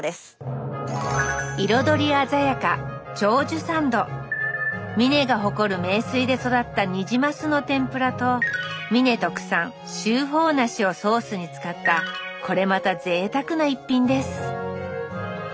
彩り鮮やか美祢が誇る名水で育ったニジマスの天ぷらと美祢特産秋芳梨をソースに使ったこれまたぜいたくな一品です